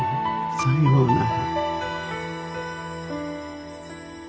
さようなら。